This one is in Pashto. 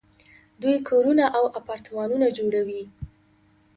دوی کورونه او اپارتمانونه جوړوي.